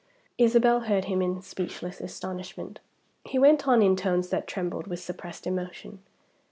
Isabel heard him in speechless astonishment. He went on in tones that trembled with suppressed emotion.